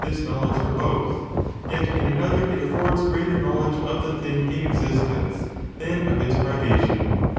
this knowledge for both,^ yet in another it affords greater knowledge of the thing in existence than of its privation.